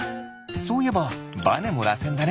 そういえばバネもらせんだね。